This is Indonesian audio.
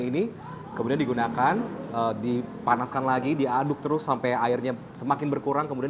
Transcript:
ini kemudian digunakan dipanaskan lagi diaduk terus sampai airnya semakin berkurang kemudian